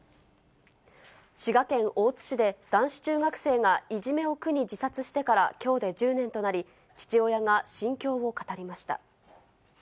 滋賀県大津市で男子中学生がいじめを苦に自殺してからきょうで１０年となり、父親が心境を語りました。